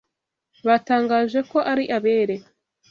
Batangaje ko ari abere.